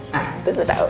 nah itu gue tau